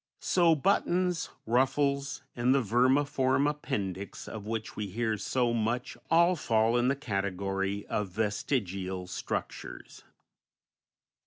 So buttons, ruffles, and the vermiform appendix of which we hear so much all fall in the category of vestigial structures.